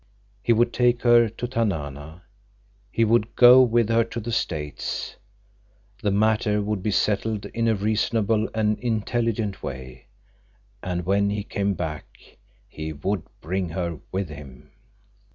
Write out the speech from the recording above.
He would take her to Tanana. He would go with her to the States. The matter would be settled in a reasonable and intelligent way, and when he came back, he would bring her with him.